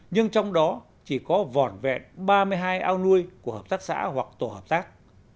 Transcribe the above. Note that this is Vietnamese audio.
nhưng trong đó chỉ có vỏn vẹn ba mươi hai ao nuôi của hợp tác xã hoặc tổ hợp tác